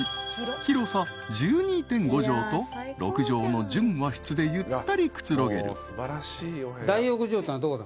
［広さ１２．５畳と６畳の純和室でゆったりくつろげる］